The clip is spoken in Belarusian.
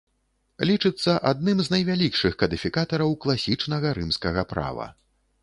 Лічыцца адным з найвялікшых кадыфікатараў класічнага рымскага права.